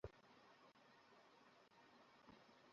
ওর চেহারাটার দিকে তাকাও।